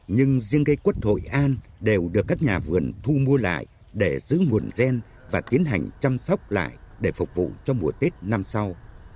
nhưng riêng cây quất hội an đều được các nhà vườn thu mua lại để giữ nguồn gen và tiến hành chăm sóc lại để phục vụ cho mùa tết năm sau